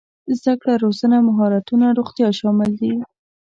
زده کړه روزنه مهارتونه روغتيا شامل دي.